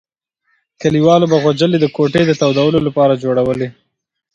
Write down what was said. کلیوالو به غوجلې د کوټې د تودولو لپاره جوړولې.